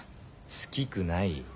好きくない？